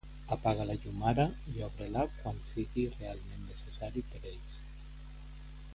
Apaga la llum ara i obre-la quan sigui realment necessari per ells